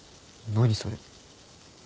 何それ。